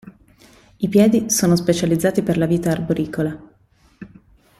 I piedi sono specializzati per la vita arboricola.